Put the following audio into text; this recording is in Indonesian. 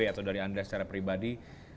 atau dari anda secara pribadi